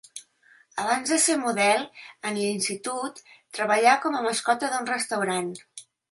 Abans de ser model, en l'institut, treballà com a mascota d'un restaurant.